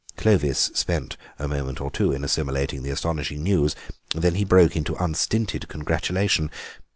Clovis spent a moment or two in assimilating the astonishing news; then he broke out into unstinted congratulation.